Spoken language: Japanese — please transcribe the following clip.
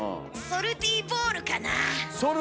ソルティーボール。